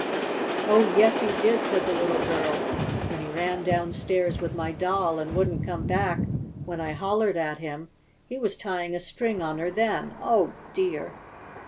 "Oh, yes he did!" said the little girl. "When he ran downstairs with my doll, and wouldn't come back when I hollered at him, he was tying a string on her then. Oh, dear!"